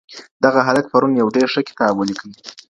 دغه هلک پرون یو ډېر ښه کتاب ولیکی.